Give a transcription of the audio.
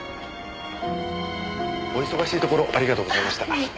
お忙しいところありがとうございました。